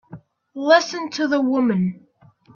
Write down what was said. Listen to the woman!